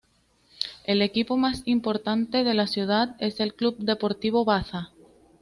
El equipo más importante de la ciudad es el Club Deportivo Baza.